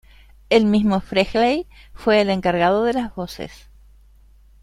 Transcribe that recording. El mismo Frehley fue el encargado de las voces.